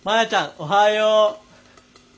おはよう。